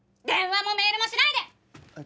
電話もメールもしないで！